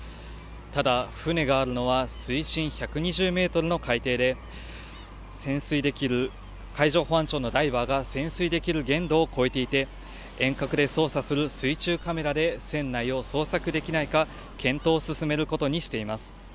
ただ船があるのは水深１２０メートルの海底で、海上保安庁のダイバーが潜水できる限度を超えていて、遠隔で操作する水中カメラで船内を捜索できないか、検討を進めることにしています。